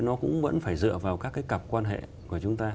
nó cũng vẫn phải dựa vào các cái cặp quan hệ của chúng ta